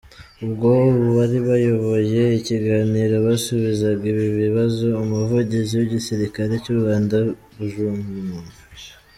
Ubwo abari bayoboye ikiganiro basubizaga ibi bibazo, Umuvugizi w’Igisirikare cy’u Rwanda Bg.